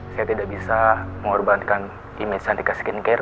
saya tidak bisa mengorbankan image cadika skincare